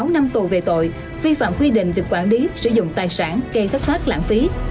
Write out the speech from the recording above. sáu năm tù về tội vi phạm quy định về quản lý sử dụng tài sản gây thất thoát lãng phí